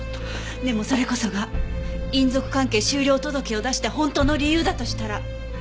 でもそれこそが姻族関係終了届を出した本当の理由だとしたら。